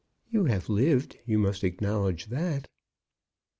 You have lived; you must acknowledge that."